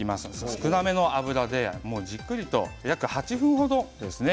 少なめの油でじっくりと約８分程ですね。